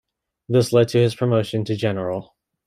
This led to his promotion to general.